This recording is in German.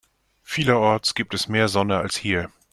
Vielerorts gibt es mehr Sonne als hier.